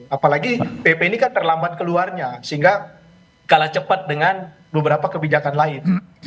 apalagi pp ini kan terlambat keluarnya sehingga kalah cepat dengan beberapa kebijakan lain